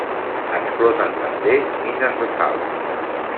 Exploten també mines de sal.